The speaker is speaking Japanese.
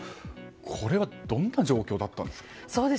これはどんな状況だったんですか？